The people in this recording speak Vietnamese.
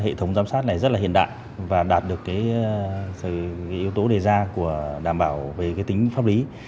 hệ thống giám sát này rất là hiện đại và đạt được yếu tố đề ra của đảm bảo về tính pháp lý